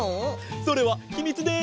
それはひみつです！